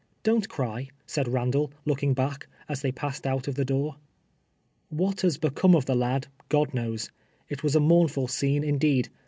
Don't cry," said Ilandall, looking back, as they passed out of the door. What has become of the lad, God knows. It Avas a mournful scene indeed.